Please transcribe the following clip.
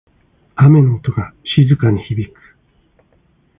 雨の音が静かに響く。